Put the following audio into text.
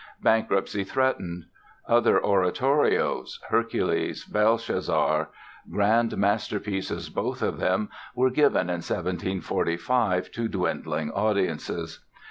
Bankruptcy threatened. Other oratorios, "Hercules", "Belshazzar", grand masterpieces both of them, were given in 1745 to dwindling audiences.